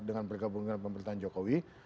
dengan bergabung dengan pemerintahan jokowi